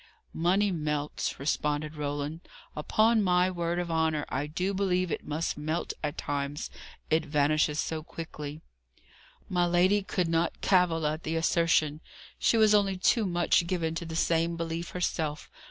"Money melts," responded Roland. "Upon my word of honour, I do believe it must melt at times; it vanishes so quickly." My lady could not cavil at the assertion. She was only too much given to the same belief herself.